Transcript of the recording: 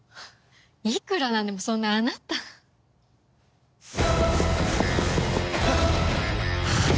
いくらなんでもそんなあなたハッ！